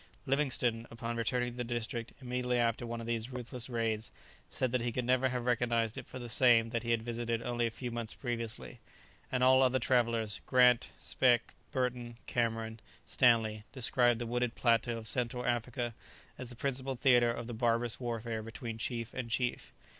Livingstone, upon returning to a district, immediately after one of these ruthless raids, said that he could never have recognized it for the same that he had visited only a few months previously; and all other travellers, Grant, Speke, Burton, Cameron, Stanley, describe the wooded plateau of Central Africa as the principal theatre of the barbarous warfare between chief and chief.